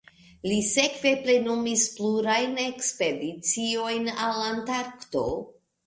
Li sekve plenumis plurajn ekspediciojn al Antarkto.